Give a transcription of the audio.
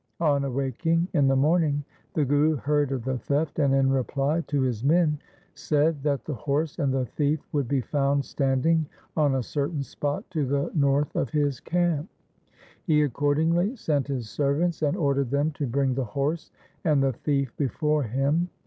On awaking in the morning the Guru heard of the theft, and in reply to his men said that the horse and the thief would be found standing on a certain spot to the north of his camp. He accordingly sent his servants, and ordered them to bring the horse and the thief before him.